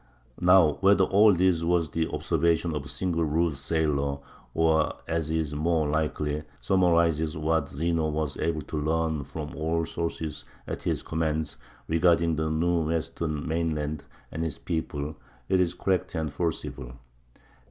Now, whether all this was the observation of a single rude sailor, or, as is more likely, summarizes what Zeno was able to learn from all sources at his command regarding the new western mainland and its people, it is correct and forcible.